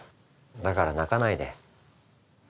だから泣かないで。